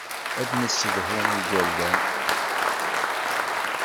Ad nessedhu igerdan.